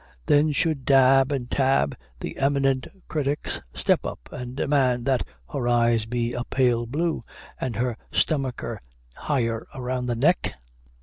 Then, should Dab and Tab, the eminent critics, step up and demand that her eyes be a pale blue, and her stomacher higher around the neck?